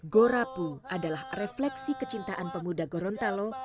gorapu adalah refleksi kecintaan pemuda gorontalo